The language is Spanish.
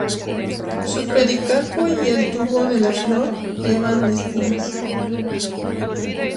Su pericarpo y el tubo de la flor llevan espinas.